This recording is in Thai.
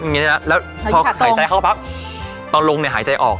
อย่างนี้นะแล้วพอหายใจเข้าปั๊บตอนลงเนี่ยหายใจออก